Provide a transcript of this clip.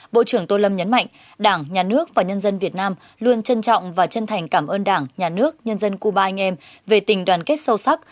bộ trưởng tô lâm nhấn mạnh đảng nhà nước và nhân dân việt nam luôn trân trọng và chân thành cảm ơn đảng nhà nước nhân dân cuba anh em về tình đoàn kết sâu sắc